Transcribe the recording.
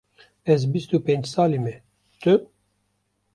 Ez bîst û pênc salî me, tu?